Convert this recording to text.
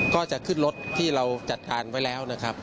ก็จะขึ้นรถที่เราจัดการไว้แล้วนะครับ